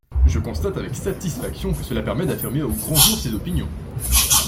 Je constate avec satisfaction que cela permet d’affirmer au grand jour ses opinions.